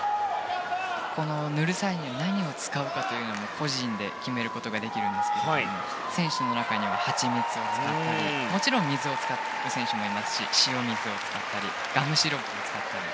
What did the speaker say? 塗る際に何を使うかというのも個人で使うことができるんですが選手の中にはハチミツを使ったりもちろん水を使う選手もいますし塩水を使ったりガムシロップを使ったり。